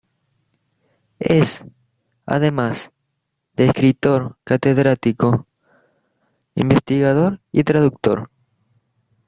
Es, además de escritor, catedrático, investigador y traductor.